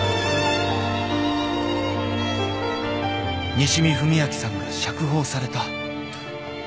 ［西見文明さんが釈放された］